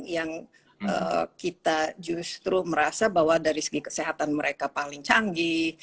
yang kita justru merasa bahwa dari segi kesehatan mereka paling canggih